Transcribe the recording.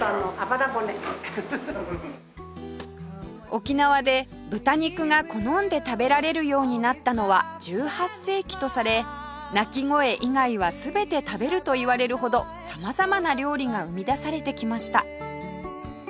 沖縄で豚肉が好んで食べられるようになったのは１８世紀とされ鳴き声以外は全て食べるといわれるほど様々な料理が生み出されてきました